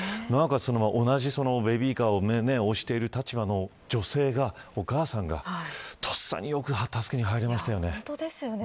同じベビーカーを押している立場の女性がお母さんが、とっさによく助けに入りましたね。